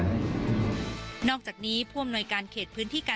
และก็ไม่ได้ยัดเยียดให้ทางครูส้มเซ็นสัญญา